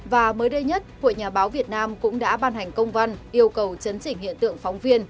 và mới đây nhất hội nhà báo việt nam cũng đã ban hành công văn yêu cầu chấn chỉnh hiện tượng phóng viên